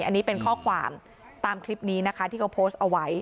อันนี้เป็นข้อความตามคลิปนี้นะคะที่เขาโพสต์เอาไว้